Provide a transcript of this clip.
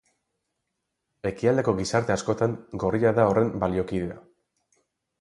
Ekialdeko gizarte askotan gorria da horren baliokidea.